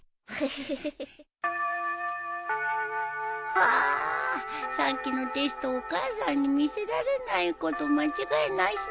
ハァさっきのテストお母さんに見せられないこと間違いなしだよ。